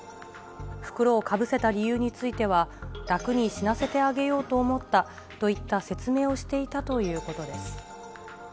袋をかぶせた理由については、楽に死なせてあげようと思ったといった説明をしていたということです。